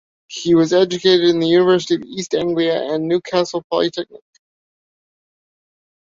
He was educated at the University of East Anglia and Newcastle Polytechnic.